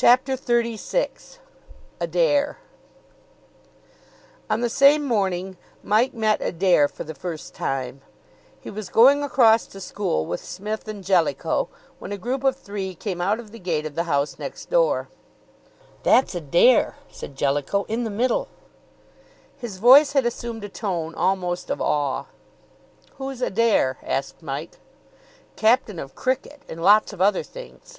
CHAPTER XXXVI ADAIR On the same morning Mike met Adair for the first time. He was going across to school with Psmith and Jellicoe, when a group of three came out of the gate of the house next door. "That's Adair," said Jellicoe, "in the middle." His voice had assumed a tone almost of awe. "Who's Adair?" asked Mike. "Captain of cricket, and lots of other things."